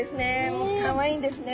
もうかわいいんですね。